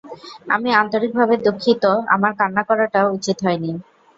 আমি আন্তরিকভাবে দুঃখিত, আমার কান্না করাটা উচিৎ হয়নি!